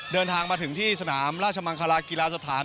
เดินทางมาถึงที่สนามราชมังคลากีฬาสถาน